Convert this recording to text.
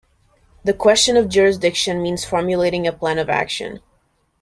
The question of jurisdiction means formulating a plan of action.